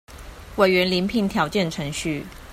委員遴聘條件程序